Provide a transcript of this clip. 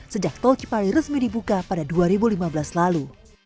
sejak tol cipali resmi dibuka pada dua ribu lima belas lalu